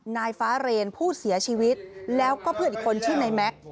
นายฟ้าเรนผู้เสียชีวิตแล้วก็เพื่อนอีกคนชื่อนายแม็กซ์